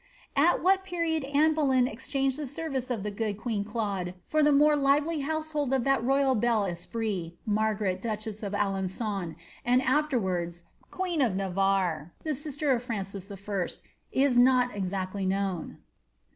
At what period Anne Boleyn exchanged the service of the good qneen Claade for the more lively household of that ro3ral helle espritj Abrga let, duchess of Alen^on, and afterwards queen of Navarre, the sister of Fiancis I^ is not exactly known.